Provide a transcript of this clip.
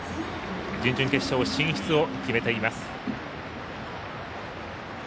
準々決勝進出を決めています。